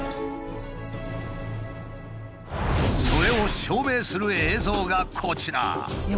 それを証明する映像がこちら。